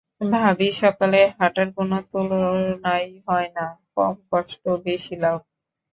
ভাবি সকালের হাঁটার কোনো তুলনাই হয় না, কম কষ্ট বেশি লাভ।